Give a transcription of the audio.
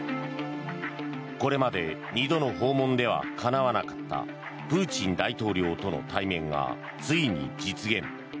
これまで２度の訪問ではかなわなかったプーチン大統領との対面がついに実現。